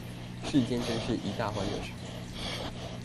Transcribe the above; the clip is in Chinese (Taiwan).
世間真是一大歡樂場